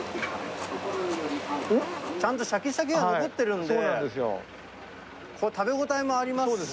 ちゃんとしゃきしゃきが残ってるんで、これ、食べ応えもありますし。